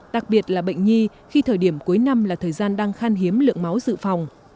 đặc biệt là bệnh nhi khi thời điểm cuối năm là thời gian đang khan hiếm lượng máu dự phòng